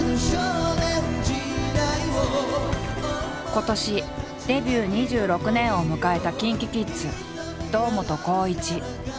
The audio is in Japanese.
今年デビュー２６年を迎えたＫｉｎＫｉＫｉｄｓ堂本光一。